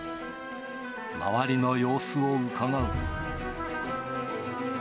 周りの様子をうかがうと。